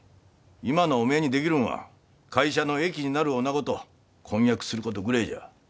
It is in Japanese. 今のおめえにできるんは会社の益になるおなごと婚約することぐれえじゃ。